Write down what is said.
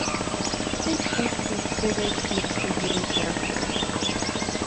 Brickman seems to be Stringer's most enduring character.